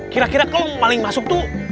kira kira kalau paling masuk tuh